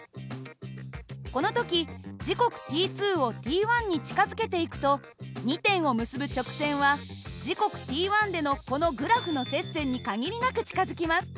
この時時刻ｔをｔに近づけていくと２点を結ぶ直線は時刻ｔでのこのグラフの接線に限りなく近づきます。